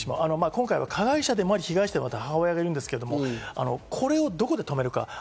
今回は加害者でもあり被害者である母親ですけど、これをどこで止めるか。